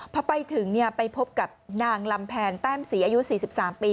พอไปถึงไปพบกับนางลำแพนแต้มศรีอายุ๔๓ปี